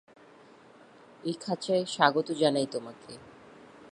এই খাঁচায় স্বাগত জানাই তোমাকে।